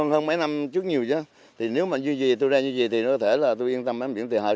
hơn mấy năm trước nhiều chứ thì nếu mà như gì tôi ra như gì thì có thể là tôi yên tâm đến biển thời hợp